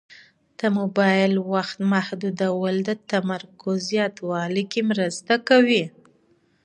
د موبایل وخت محدودول د تمرکز زیاتولو کې مرسته کوي.